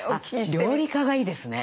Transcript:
料理家がいいですね。